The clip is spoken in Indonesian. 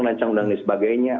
lancar undang dan sebagainya